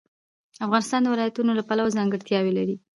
افغانستان د ولایتونو له پلوه ځانګړتیاوې لري.